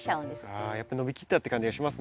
あやっぱ伸びきったって感じがしますね。